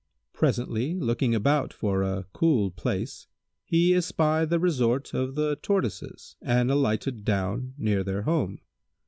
Presently, looking about for a cool place, he espied the resort of the Tortoises and alighted down near their home.